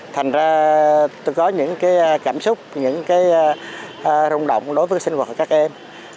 thành ra tôi có những cảm xúc những rung động đối với sinh hoạt của các em